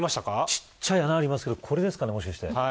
ちっちゃい穴ありますけどこれですかね、もしかして。